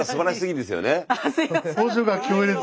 すいません。